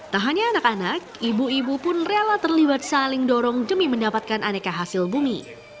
tak hanya anak anak ibu ibu pun rela terlibat saling dorong demi mendapatkan aneka hasil bumi